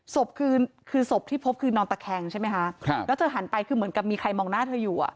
ศพคือศพที่พบคือนอนตะแคงใช่ไหมคะครับแล้วเธอหันไปคือเหมือนกับมีใครมองหน้าเธออยู่อ่ะ